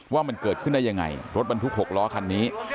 ว่ามันเกิดขึ้นได้ยังไงรถบรรทุก๖ล้อคันนี้